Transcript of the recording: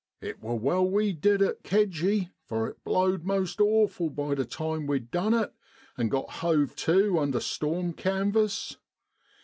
It wor well we did it kedgey, for it blowed most awful by the time we'd done it, and got hove tu under storm canvas.